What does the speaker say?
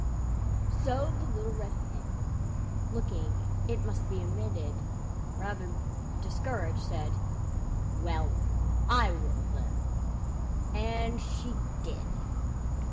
So the Little Red Hen, looking, it must be admitted, rather discouraged, said, "Well, I will, then." And she did.